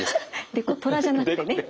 デコトラじゃなくてね。